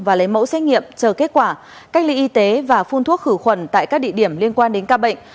và lấy mẫu xét nghiệm chờ kết quả cách ly y tế và phun thuốc khử khuẩn tại các địa điểm liên quan đến ca bệnh